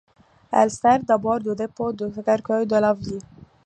Elle sert d'abord de dépôt de cercueil de la ville.